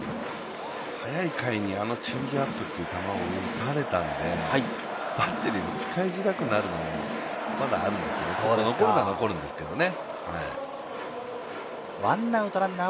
速い回にチェンジアップという球を打たれたんでバッテリーも使いづらくなるのがあるんですよね、残るは残るんですけどね。